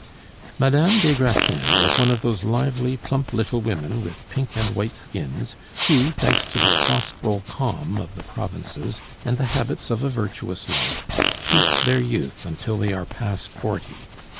Madame des Grassins was one of those lively, plump little women, with pink and white skins, who, thanks to the claustral calm of the provinces and the habits of a virtuous life, keep their youth until they are past forty.